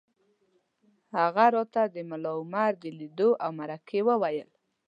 هغه راته د ملا عمر د لیدو او مرکې وویل